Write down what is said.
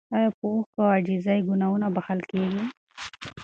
ایا په اوښکو او عاجزۍ ګناهونه بخښل کیږي؟